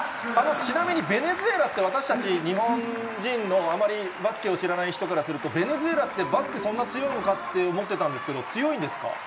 ちなみにベネズエラって、私たち、日本人のあまりバスケを知らない人からすると、ベネズエラって、バスケ、そんな強いのか？って思ってたんですが、強いんですか？